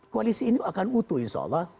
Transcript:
koalisi ini akan utuh insya allah